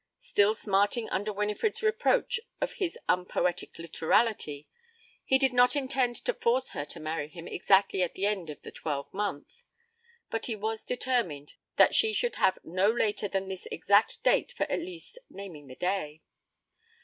Still smarting under Winifred's reproach of his unpoetic literality, he did not intend to force her to marry him exactly at the end of the twelve month. But he was determined that she should have no later than this exact date for at least 'naming the day'.